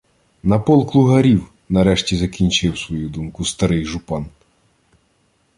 — На полк лугарів, — нарешті закінчив свою думку старий жупан.